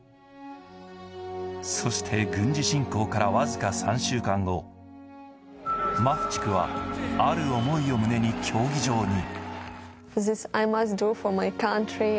そして軍事侵攻から僅か３週間後、マフチクはある思いを胸に競技場に。